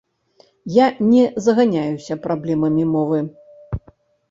Я не заганяюся праблемамі мовы.